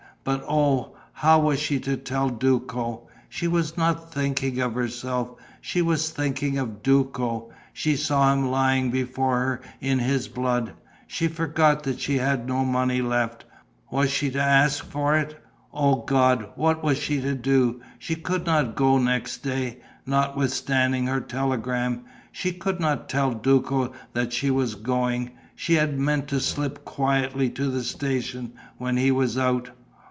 But oh, how was she to tell Duco? She was not thinking of herself, she was thinking of Duco. She saw him lying before her in his blood. She forgot that she had no money left. Was she to ask him for it? O God, what was she to do? She could not go next day, notwithstanding her telegram! She could not tell Duco that she was going.... She had meant to slip quietly to the station, when he was out....